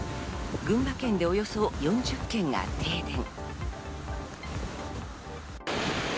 群馬県でおよそ４０軒が停電。